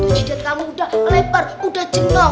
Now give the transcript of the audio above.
jidat kamu udah lebar udah jenong